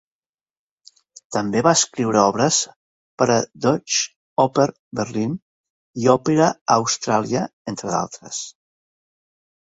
També va escriure obres per a Deutsche Oper Berlin i Opera Australia entre d'altres.